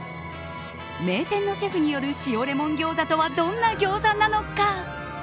名店のシェフによる塩レモン餃子とはどんなギョーザなのか。